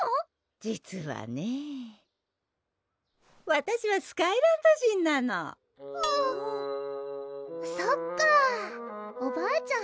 実はねわたしはスカイランド人なのそっかおばあちゃん